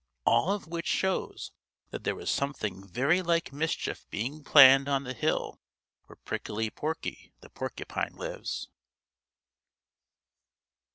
All of which shows that there was something very like mischief being planned on the hill where Prickly Porky the Porcupine lives.